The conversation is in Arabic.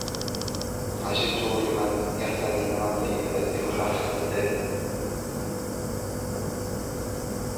عَجِبْت لِمَنْ يَحْتَمِي مِنْ الطَّيِّبَاتِ مَخَافَةَ الدَّاءِ